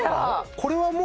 これはもう。